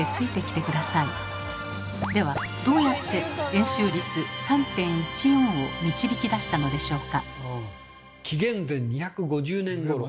ではどうやって円周率３．１４を導き出したのでしょうか。